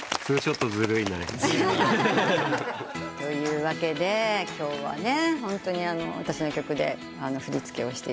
というわけで今日はホントに私の曲で振り付けをしていただいて。